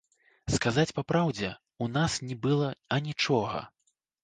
Сказаць па праўдзе, у нас ні было анічога!